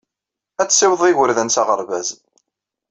Ad tessiwḍed igerdan s aɣerbaz.